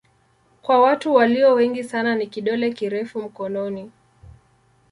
Kwa watu walio wengi sana ni kidole kirefu mkononi.